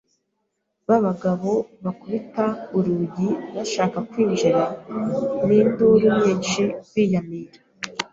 ba bagabo bakubita urugi bashaka kwinjira n’induru nyinshi biyamiraa!